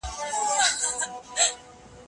شرعیاتو پوهنځۍ سمدستي نه لغوه کیږي.